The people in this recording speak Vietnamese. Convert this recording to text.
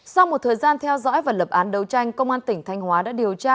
sau một thời gian theo dõi và lập án đấu tranh công an tỉnh thanh hóa đã điều tra